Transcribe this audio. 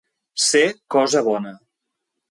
Ser cosa bona.